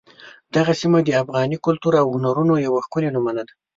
دغه سیمه د افغاني کلتور او هنرونو یوه ښکلې نمونه ده.